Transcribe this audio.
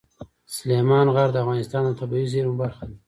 سلیمان غر د افغانستان د طبیعي زیرمو برخه ده.